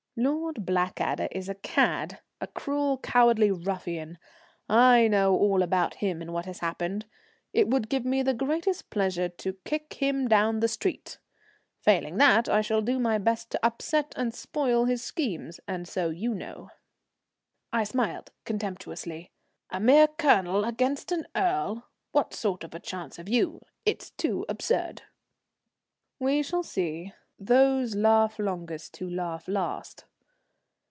"Lord Blackadder is a cad a cruel, cowardly ruffian. I know all about him and what has happened. It would give me the greatest pleasure to kick him down the street. Failing that, I shall do my best to upset and spoil his schemes, and so you know." I smiled contemptuously. "A mere Colonel against an Earl! What sort of a chance have you? It's too absurd." "We shall see. Those laugh longest who laugh last."